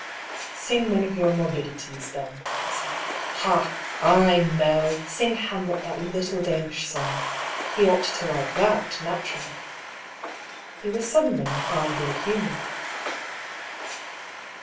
" Sing one of your morbidities, then," he said. " Ha I I know! Sing Hamlet that little Danish song. He ought to like that, naturally." He was suddenly in high good humor.